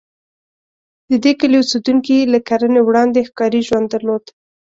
د دې کلي اوسېدونکي له کرنې وړاندې ښکاري ژوند درلود.